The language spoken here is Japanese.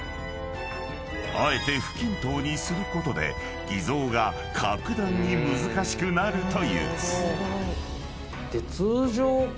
［あえて不均等にすることで偽造が格段に難しくなるという］